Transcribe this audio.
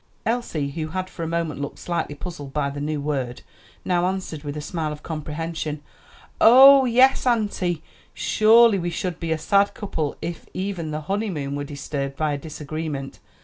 Elsie, who had for a moment looked slightly puzzled by the new word, now answered with a smile of comprehension, "Oh, yes, auntie; surely we should be a sad couple if even the honeymoon were disturbed by a disagreement.